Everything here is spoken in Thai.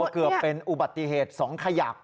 เกือบเป็นอุบัติเหตุ๒ขยัก